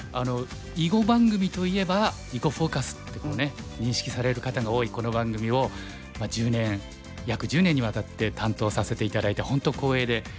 囲碁番組といえば「囲碁フォーカス」って認識される方が多いこの番組を１０年約１０年にわたって担当させて頂いて本当光栄で。